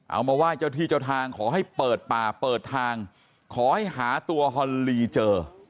เอามาไหว้เจ้าที่เจ้าทางขอให้เปิดป่าเปิดทางขอให้หาตัวฮอนลีเจอ